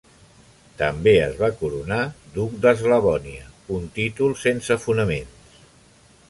També es va coronar duc d'Eslavònia, un títol sense fonaments.